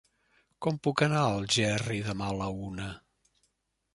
Com puc anar a Algerri demà a la una?